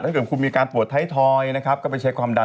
ถ้าเกิดคุณมีการปวดท้ายทอยนะครับก็ไปเช็คความดัน